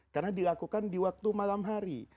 karena dilakukan di waktu malam hari